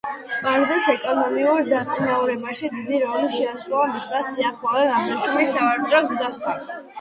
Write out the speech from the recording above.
ბაზრის ეკონომიკურ დაწინაურებაში დიდი როლი შეასრულა მისმა სიახლოვემ აბრეშუმის სავაჭრო გზასთან.